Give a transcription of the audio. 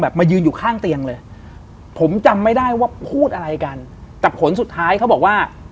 มายืนอยู่ข้างเตียงเลยผมจำไม่ได้ว่าพูดอะไรกันกับผลสุดท้ายเขาบอกว่า